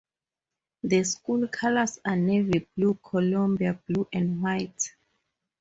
The school colors are navy blue, Columbia blue, and white.